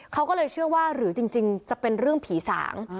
เขาก็เลยเชื่อว่าหรือจริงจะเป็นเรื่องผีสาง